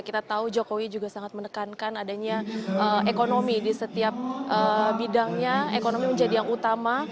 kita tahu jokowi juga sangat menekankan adanya ekonomi di setiap bidangnya ekonomi menjadi yang utama